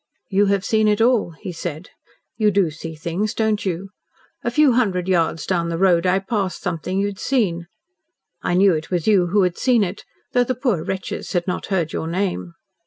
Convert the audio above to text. "You have seen it all," he said. "You do see things, don't you? A few hundred yards down the road I passed something you had seen. I knew it was you who had seen it, though the poor wretches had not heard your name."